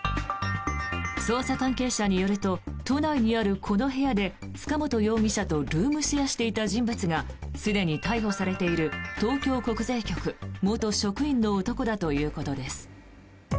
捜査関係者によると都内にあるこの部屋で塚本容疑者とルームシェアしていた人物がすでに逮捕されている東京国税局元職員の男だということです。